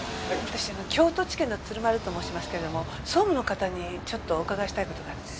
私京都地検の鶴丸と申しますけれども総務の方にちょっとお伺いしたい事があって。